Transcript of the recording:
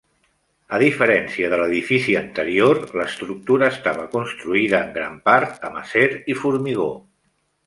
A diferència de l'edifici anterior, l'estructura estava construïda en gran part amb acer i formigó.